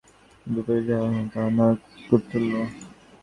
ইহার বিপরীত যাহা আসিবে, তাহা নরকতুল্য।